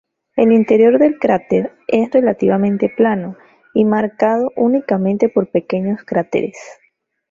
El interior del cráter es relativamente plano y marcado únicamente por pequeños cráteres.